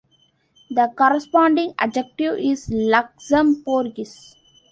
The corresponding adjective is "Luxembourgish".